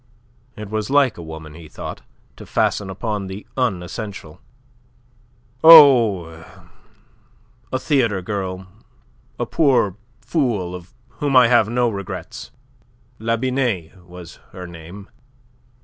It was like a woman, he thought, to fasten upon the unessential. "Oh, a theatre girl, a poor fool of whom I have no regrets. La Binet was her name.